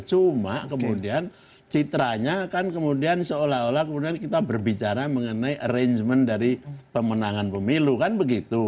cuma kemudian citranya kan kemudian seolah olah kemudian kita berbicara mengenai arrangement dari pemenangan pemilu kan begitu